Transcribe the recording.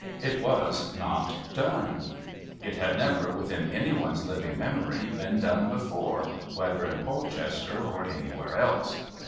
It was not done. It had never, within any one's living memory, been done before, whether in Polchester or anywhere else.